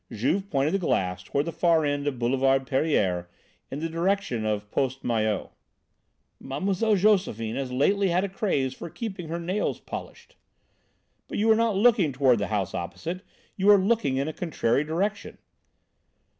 Juve pointed the glass toward the far end of Boulevard Pereire, in the direction of Poste Maillot. "Mlle. Josephine has lately had a craze for keeping her nails polished." "But you are not looking toward the house opposite, you are looking in a contrary direction!"